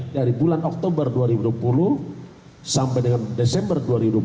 dari bulan oktober dua ribu dua puluh sampai dengan desember dua ribu dua puluh